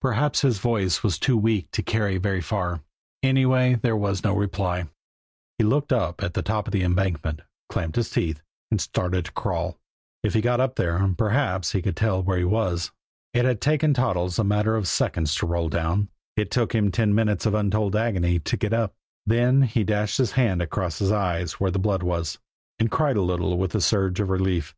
Perhaps his voice was too weak to carry very far; anyway, there was no reply. He looked up at the top of the embankment, clamped his teeth, and started to crawl. If he got up there, perhaps he could tell where he was. It had taken Toddles a matter of seconds to roll down; it took him ten minutes of untold agony to get up. Then he dashed his hand across his eyes where the blood was, and cried a little with the surge of relief.